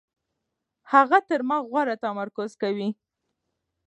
هغه تر ما غوره تمرکز کوي.